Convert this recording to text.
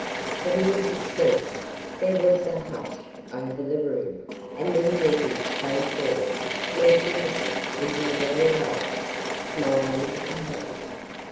The music ceased, there was a hush over the room, and then Yetive came forward, magnificent in her royal robes, smiling and happy.